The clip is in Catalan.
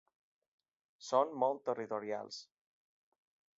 Són molt territorials.